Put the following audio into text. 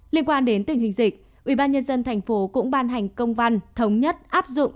liên quan đến tình hình dịch ubnd thành phố cũng ban hành công văn thống nhất áp dụng